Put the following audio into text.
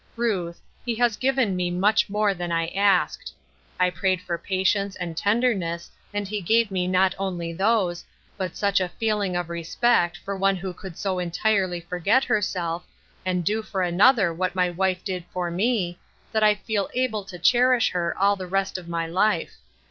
Ruth, he has given me much more than I asked. I prayed for pa tience and tenderness and he gave me not only those, but such a feeling of respect for one who could so entirely forget herself, and do for an other what my wife did for me, that I feel able to cherish her all the rest of my life.